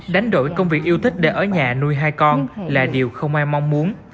đánh đổi công việc yêu thích để ở nhà nuôi hai con là điều không ai mong muốn